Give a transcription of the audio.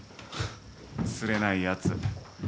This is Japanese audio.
つれないやつ。